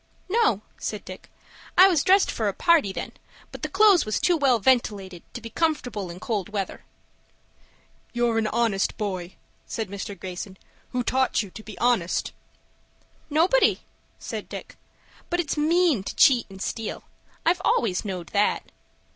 "No," said Dick. "I was dressed for a party, then, but the clo'es was too well ventilated to be comfortable in cold weather." "You're an honest boy," said Mr. Greyson. "Who taught you to be honest?" "Nobody," said Dick. "But it's mean to cheat and steal. I've always knowed that."